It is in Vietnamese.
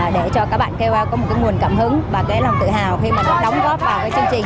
để cho các bạn keo có một cái nguồn cảm hứng và cái lòng tự hào khi mà nó đóng góp vào cái chương trình